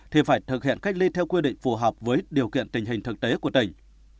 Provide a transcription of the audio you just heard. thì phải thực hiện cách ly theo quy định phù hợp với điều kiện tình hình thực tế của tỉnh